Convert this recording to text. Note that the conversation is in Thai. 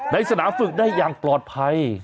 ในสนามฝึกได้อย่างปลอดภัย